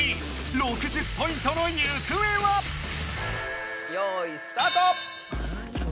６０ポイントのゆくえは⁉よいスタート！